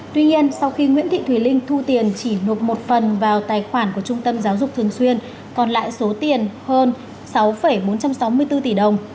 tuy nhiên sau khi nguyễn thị thùy linh thu tiền chỉ nộp một phần vào tài khoản của trung tâm giáo dục thường xuyên còn lại số tiền hơn sáu bốn trăm sáu mươi bốn tỷ đồng